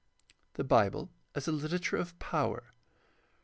The Bible as a literature of power.